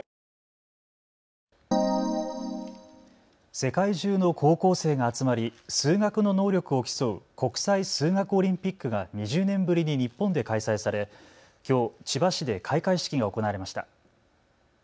世界中の高校生が集まり数学の能力を競う国際数学オリンピックが２０年ぶりに日本で開催されきょう千葉市で開会式が行われました。